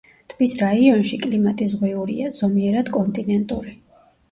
ტბის რაიონში კლიმატი ზღვიურია, ზომიერად კონტინენტური.